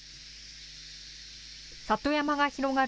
里山が広がる